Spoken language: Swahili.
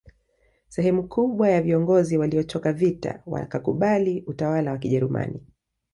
Sehemu kubwa ya viongozi waliochoka vita wakakubali utawala wa kijerumani